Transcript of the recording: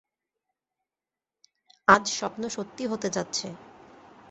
আজ স্বপ্ন সত্যি হতে যাচ্ছে।